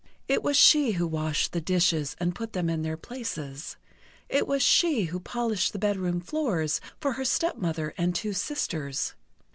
It was she who washed the dishes and put them in their places. It was she who polished the bedroom floors for her stepmother and two sisters.